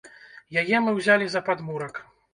Яе мы ўзялі за падмурак.